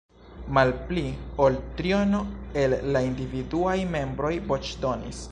Malpli ol triono el la individuaj membroj voĉdonis.